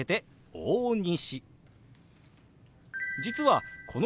「大西」。